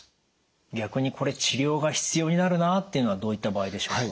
逆にこれ治療が必要になるなというのはどういった場合でしょうか？